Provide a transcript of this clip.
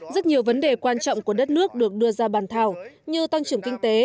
rất nhiều vấn đề quan trọng của đất nước được đưa ra bàn thảo như tăng trưởng kinh tế